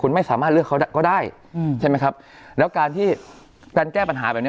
คุณไม่สามารถเลือกเขาก็ได้อืมใช่ไหมครับแล้วการที่การแก้ปัญหาแบบเนี้ย